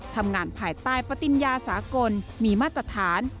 ทำงานภายใต้ประติญญาสากลมีมาตรฐาน